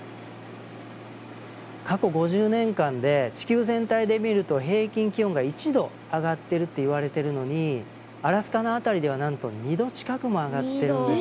過去５０年間で地球全体で見ると平均気温が１度上がってるって言われてるのにアラスカの辺りではなんと２度近くも上がってるんですよ。